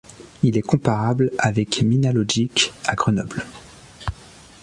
Il est comparable avec Minalogic, à Grenoble.